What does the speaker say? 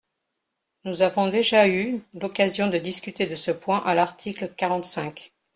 Nous avons déjà eu l’occasion de discuter de ce point à l’article quarante-cinq.